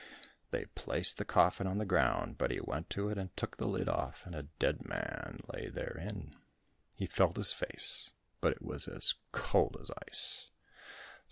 They placed the coffin on the ground, but he went to it and took the lid off, and a dead man lay therein. He felt his face, but it was cold as ice.